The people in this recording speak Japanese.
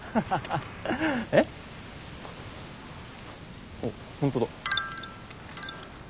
あっ本当だ。